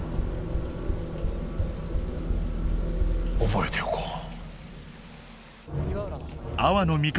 覚えておこう。